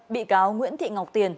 bị cáo nguyễn thị ngọc tiền